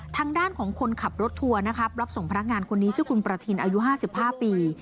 ทางด้านของคนขับรถทัวร์นะครับรับส่งพนักงานคนนี้ชื่อคุณประทินอายุ๕๕ปี